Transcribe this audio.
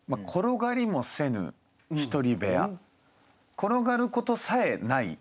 ころがることさえない。